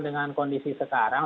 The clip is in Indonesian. dengan kondisi sekarang